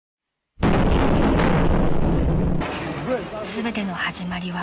［全ての始まりは］